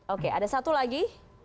oke ada satu lagi